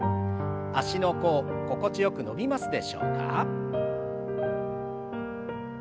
足の甲心地よく伸びますでしょうか？